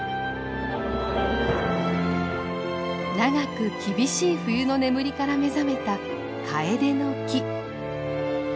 長く厳しい冬の眠りから目覚めたカエデの木。